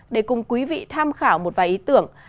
để cùng quý vị tham khảo một vài ý tưởng